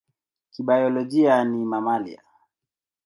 Kibiolojia ni mamalia.